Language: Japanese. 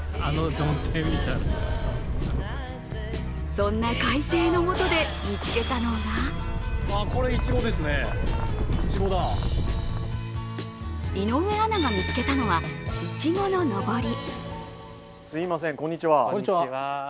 そんな快晴のもとで見つけたのが井上アナが見つけたのはいちごののぼり。